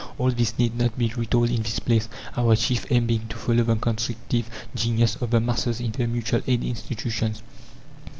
All this need not be retold in this place, our chief aim being to follow the constructive genius of the masses in their mutual aid institutions.